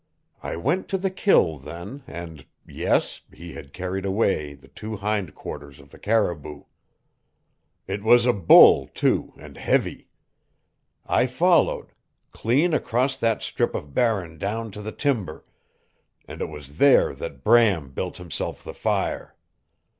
I went to the kill then, and yes, he had carried away the two hind quarters of the caribou. It was a bull, too, and heavy. I followed clean across that strip of Barren down to the timber, and it was there that Bram built himself the fire.